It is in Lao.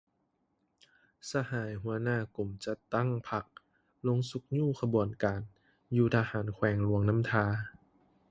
ສະຫາຍຫົວຫນ້າກົມຈັດຕັ້ງພັກ ລົງຊຸກຍູ້ຂະບວນການຢູ່ທະຫານແຂວງຫລວງນ້ຳທາ